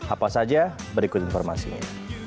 apa saja berikut informasinya